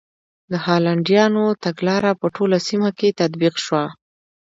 د هالنډیانو تګلاره په ټوله سیمه کې تطبیق شوه.